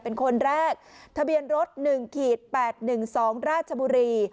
เป็นคนแรกทะเบียนรถ๑๘๑๒ราชบุรี